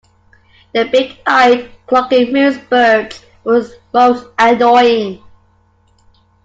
The big-eyed, clucking moose-birds were most annoying.